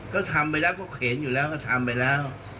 ก็ทำไปแล้วก็เข็นอยู่แล้วก็ทำไปแล้ว